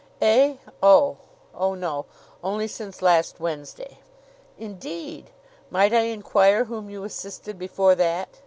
"Eh? Oh! Oh, no only since last Wednesday." "Indeed! Might I inquire whom you assisted before that?"